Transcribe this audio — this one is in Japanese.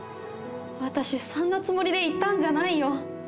私そんなつもりで言ったんじゃないよ